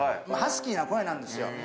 ハスキーな声なんですよ。